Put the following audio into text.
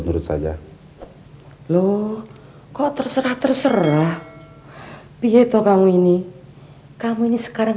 terus kita sholat isya sekarang